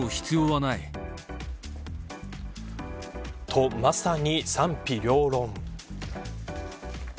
と、まさに賛否両論。